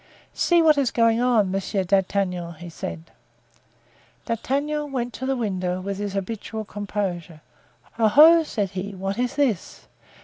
"See what is going on, Monsieur D'Artagnan," said he. D'Artagnan went to the window with his habitual composure. "Oho!" said he, "what is this?